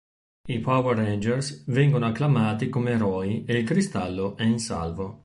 I Power Rangers vengono acclamati come eroi e il Cristallo è in salvo.